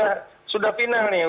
ya sudah final nih